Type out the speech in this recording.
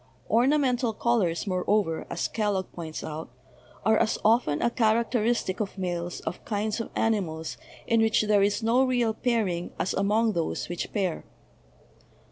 "Ornamental colors," moreover, as Kellogg points out, "are as often a characteristic of males of kinds of ani mals in which there is no real pairing as among those which pair